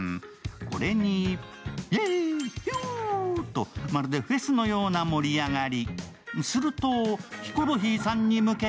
これに、イエーイ、ヒュウーと、まるでフェスのような盛り上がり。